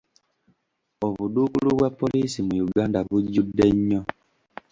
Obuduukulu bwa poliisi mu Uganda bujjudde nnyo.